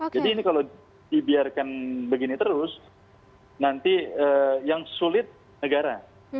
jadi ini kalau dibiarkan begini terus nanti yang sulit negara